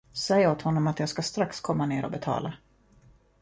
Säg åt honom att jag ska strax komma ner och betala.